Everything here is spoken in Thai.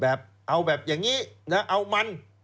เอาแบบอย่างนี้เอามัน